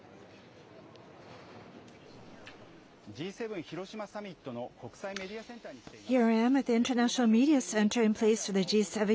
Ｇ７広島サミットの国際メディアセンターに来ています。